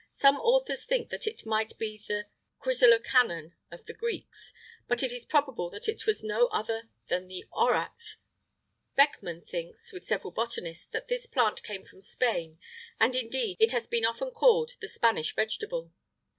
Some authors think that it might be the chrysolacanon of the Greeks,[IX 34] but it is probable that this was no other than the orach;[IX 35] Beckmann[IX 36] thinks, with several botanists, that this plant came from Spain; and, indeed, it has been often called the Spanish vegetable.